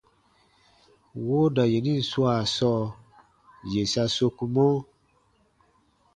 Wooda yenin swaa sɔɔ, yè sa sokumɔ: